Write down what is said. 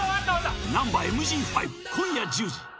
「ナンバＭＧ５」、今夜１０時。